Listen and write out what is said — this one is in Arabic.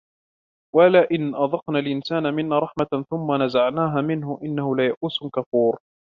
ولئن أذقنا الإنسان منا رحمة ثم نزعناها منه إنه ليئوس كفور